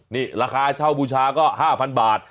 นี่ราคาเช่าบูชาก็๕๐๐บาท